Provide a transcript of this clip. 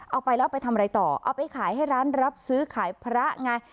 เอาไปแล้วไปทำอะไรต่อเอาไปขายให้ร้านรับซื้อขายพระไง